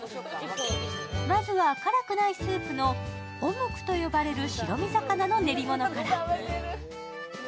まずは辛くないスープのオムクと呼ばれる白身魚の練り物から。